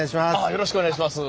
よろしくお願いします。